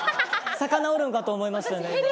魚おるんかと思いましたね、今。